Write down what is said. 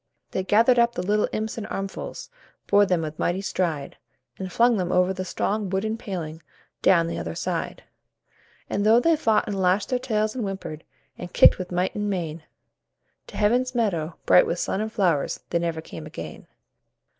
They gathered up the little imps in armfuls, Bore them with mighty stride, And flung them over the strong wooden paling Down on the other side. And though they fought and lashed their tails and whimpered, And kicked with might and main, To Heaven's Meadow, bright with sun and flowers They never came again.